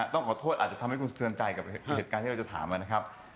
ต้องขอโทษอาจจะทำให้คุณสะเทือนใจกับเหตุการณ์ที่เราจะถามนะครับ